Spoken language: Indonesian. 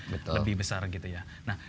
lebih besar haknya